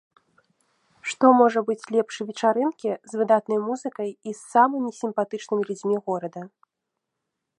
Што можа быць лепш вечарынкі з выдатнай музыкай і самымі сімпатычнымі людзьмі горада?